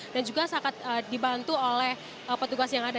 dan juga sangat dibantu oleh petugas yang ada